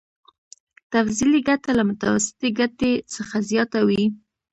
تفضيلي ګټه له متوسطې ګټې څخه زیاته وي